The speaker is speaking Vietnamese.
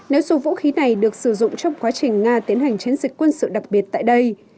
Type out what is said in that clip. nếu số vũ khí này được sử dụng trong quá trình nga tiến hành chiến dịch quân sự đặc biệt tại đây